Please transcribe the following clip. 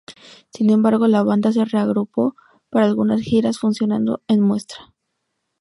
Sin embargo la banda se reagrupó para algunas giras funcionando en muestra.